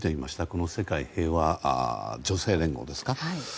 この世界平和女性連合ですか。